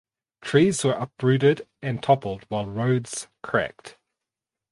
Trees were uprooted and toppled while roads cracked.